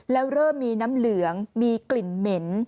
แล้วเริ่มมีน้ำเหลืองมีกลิ่นเหม็น